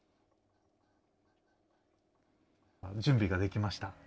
準備ができました。